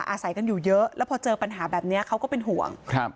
อาศัยกันอยู่เยอะแล้วพอเจอปัญหาแบบนี้เขาก็เป็นห่วงครับ